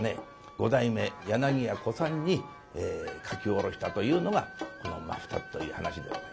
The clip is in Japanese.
五代目柳家小さんに書き下ろしたというのがこの「真二つ」という噺でございまして。